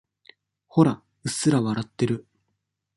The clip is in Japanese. ほら、うっすら笑ってる。